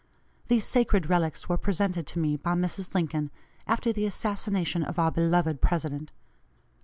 These sacred relics were presented to me by Mrs. Lincoln, after the assassination of our beloved President.